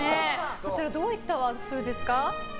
こちらどういったワンスプーンですか？